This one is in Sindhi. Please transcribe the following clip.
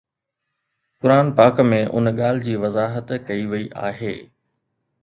قرآن پاڪ ۾ ان ڳالهه جي وضاحت ڪئي وئي آهي